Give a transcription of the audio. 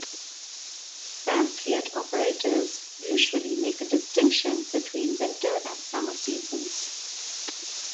Phan Thiet operators usually make a distinction between winter and summer seasons.